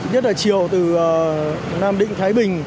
nhất là chiều từ nam định thái bình